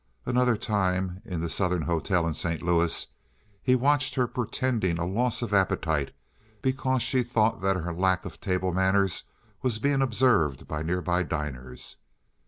Another time in the Southern hotel in St. Louis he watched her pretending a loss of appetite because she thought that her lack of table manners was being observed by nearby diners.